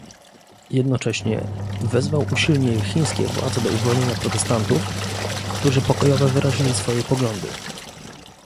Jednocześnie, wezwał usilnie chińskie władze do uwolnienia protestantów, którzy pokojowo wyrazili swoje poglądy